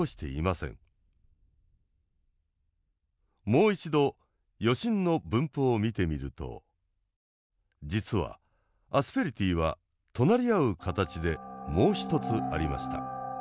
もう一度余震の分布を見てみると実はアスペリティは隣り合う形でもう一つありました。